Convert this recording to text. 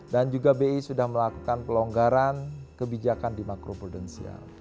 dan juga bi sudah melakukan pelonggaran kebijakan di makro prudensial